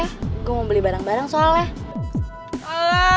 aku mau beli barang barang soalnya